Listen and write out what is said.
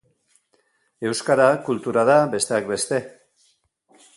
Euskara kultura da, besteak beste.